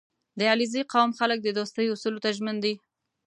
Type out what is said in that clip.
• د علیزي قوم خلک د دوستۍ اصولو ته ژمن دي.